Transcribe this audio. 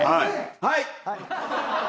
はい！